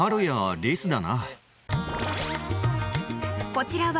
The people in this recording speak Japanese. ［こちらは］